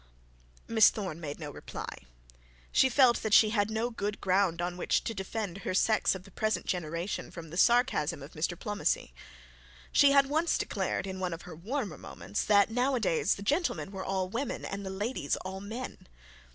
Miss Thorne made no reply. She felt that she had no good ground on which to defend her sex of the present generation, from the sarcasm of Mr Pomney. She had once declared, in one of her warmer moments, 'that now a days the gentlemen were all women, and the ladies all men.'